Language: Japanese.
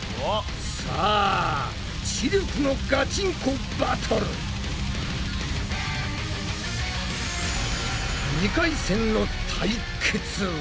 さあ知力のガチンコバトル！２回戦の対決は？